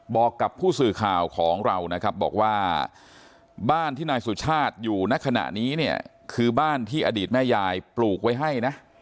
บอกกับผู้สื่อข่าวของเรานะครับบอกว่าบ้านที่นายสุชาติอยู่ในขณะนี้เนี่ยคือบ้านที่อดีตแม่ยายปลูกไว้ให้นะ